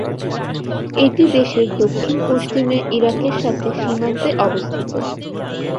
এটি দেশের দক্ষিণ-পশ্চিমে ইরাকের সাথে সীমান্তে অবস্থিত।